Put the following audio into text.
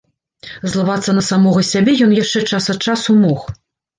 Злавацца на самога сябе ён яшчэ час ад часу мог.